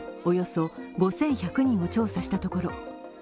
およそ５１００人を調査したところ